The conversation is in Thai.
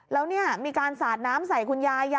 แล้วมีการสาดน้ำใส่คุณยาย